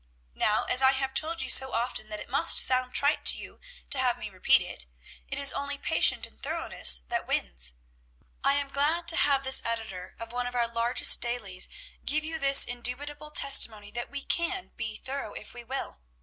Now, as I have told you so often that it must sound trite to you to have me repeat it, it is only patient thoroughness that wins. I am glad to have this editor of one of our largest dailies give this indubitable testimony that we can be thorough if we will.